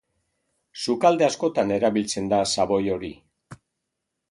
Sukalde askotan erabiltzen da xaboi hori.